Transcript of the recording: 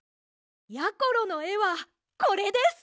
やころのえはこれです！